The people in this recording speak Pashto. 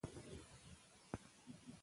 لنډيز